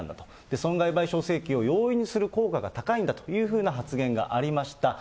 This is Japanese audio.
損害賠償請求を容易にする効果が高いんだというふうな発言がありました。